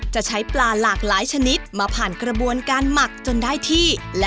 จะใช้ปลาหลากหลายชนิดมาผ่านกระบวนการหมักจนได้ที่